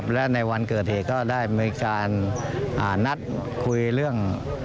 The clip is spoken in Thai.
และในวันเกิดเหตุก็ได้มีการนัดคุยเรื่อง